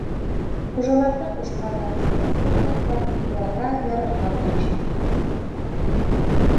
Хужаларҙың ҡушҡанынан ситкә сыҡмаҫҡа, уларға ярарға тырыша.